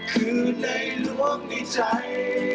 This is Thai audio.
คือในหลวงในใจ